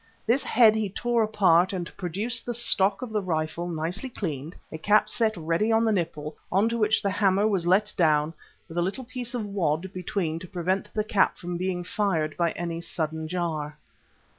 This head he tore apart and produced the stock of the rifle nicely cleaned, a cap set ready on the nipple, on to which the hammer was let down, with a little piece of wad between to prevent the cap from being fired by any sudden jar.